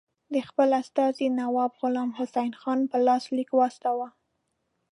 د خپل استازي نواب غلام حسین خان په لاس لیک واستاوه.